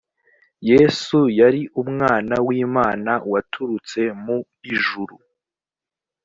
yesu yari umwana w imana waturutse mu ijuru